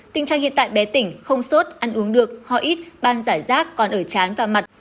tình trạng hiện tại bé tỉnh không sốt ăn uống được ho ít ban giải rác còn ở chán và mặt